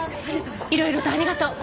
いろいろとありがとう。